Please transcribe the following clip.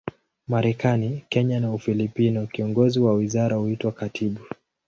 Marekani, Kenya na Ufilipino, kiongozi wa wizara huitwa katibu.